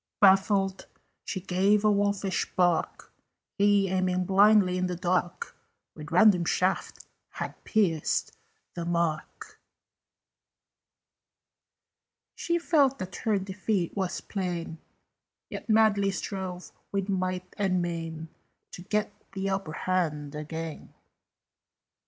Baffled, she gave a wolfish bark: He, aiming blindly in the dark, With random shaft had pierced the mark. She felt that her defeat was plain, Yet madly strove with might and main To get the upper hand again.